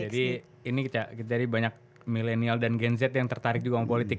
jadi ini kita dari banyak millennial dan gen z yang tertarik juga sama politik